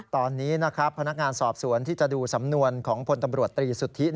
ตอนนี้พนักงานสอบสวนที่จะดูสำนวนของพตตรีสุธิ